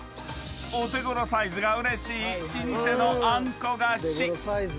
［お手ごろサイズがうれしい老舗のあんこ菓子］